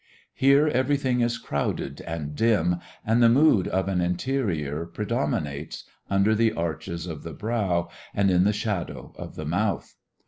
Here everything is crowded and dim and the mood of an interior predominates under the arches of the brow and in the shadows of the mouth.